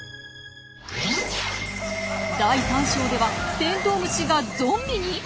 第３章ではテントウムシがゾンビに！？